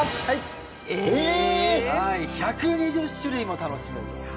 はい１２０種類も楽しめると。